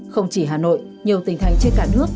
không chỉ hà nội nhiều tỉnh thành trên cả nước